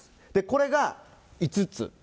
これが５つ。